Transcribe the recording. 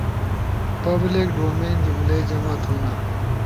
پبلک ڈومین، جملئی جمع تھونا